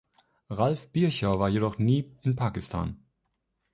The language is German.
Ralph Bircher war jedoch nie in Pakistan.